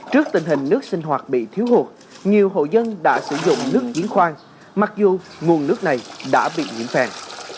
trước tình hình nước sinh hoạt bị thiếu hụt nhiều hộ dân đã sử dụng nước diễn khoan mặc dù nguồn nước này đã bị nhiễm phèn